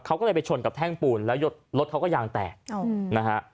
เขาก็เลยไปชนกับแท่งปูนแล้วรถเขาก็ยางแตกนะฮะ